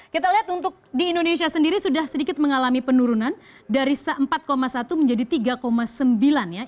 kita lihat untuk di indonesia sendiri sudah sedikit mengalami penurunan dari empat satu menjadi tiga sembilan ya